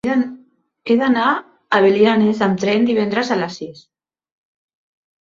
He d'anar a Belianes amb tren divendres a les sis.